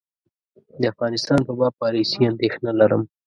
د افغانستان په باب پالیسي اندېښنه لرم.